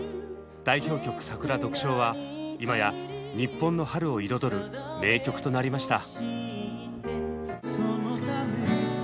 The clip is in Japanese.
代表曲「さくら」は今や日本の春を彩る名曲となりました。